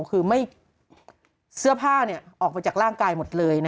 คือเสื้อผ้าออกไปจากร่างกายหมดเลย